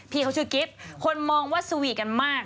ที่เขาชื่อกิฟต์คนมองว่าสวีทกันมาก